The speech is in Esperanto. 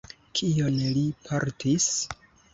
Kion li portis?